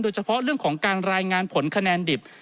เฉพาะเรื่องของการรายงานผลคะแนนดิบ